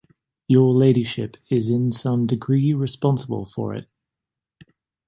Your ladyship is in some degree responsible for it.